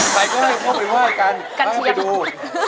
ไปก็ให้พวกมันว่ายกันมาดู